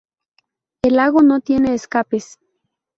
El lago no tiene escapes.